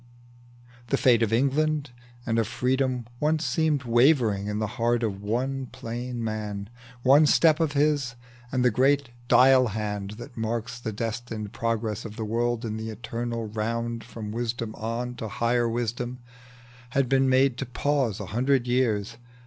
The fate of England and of freedom once Seemed wavering in the heart of one plain man, One step of his and the great dial hand, That marks the destined progress of the world In the eternal round from wisdom on To higher wisdom, had been made to pause A hundred years.